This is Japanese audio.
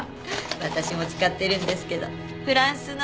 私も使ってるんですけどフランスの。